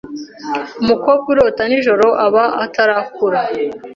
Umukobwa urota nijoro aba atarakura